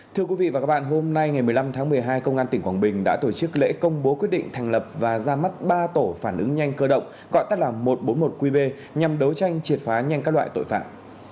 thưa quý vị và các bạn hôm nay ngày một mươi năm tháng một mươi hai công an tỉnh quảng bình đã tổ chức lễ công bố quyết định thành lập và ra mắt ba tổ phản ứng nhanh cơ động gọi tắt là một trăm bốn mươi một qb nhằm đấu tranh triệt phá nhanh các loại tội phạm